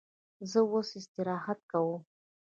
زه اوس استراحت کوم.